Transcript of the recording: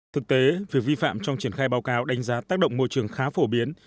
thực tế việc vi phạm trong triển khai báo cáo đánh giá tác động môi trường khá phổ biến